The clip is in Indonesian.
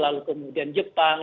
lalu kemudian jepang